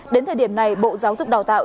đến thời điểm này bộ giáo dục đào tạo